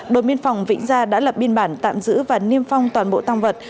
đội biên phòng vĩnh gia đã lập biên bản tạm giữ và niêm phong toàn bộ tăng vật